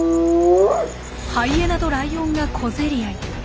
ハイエナとライオンが小競り合い。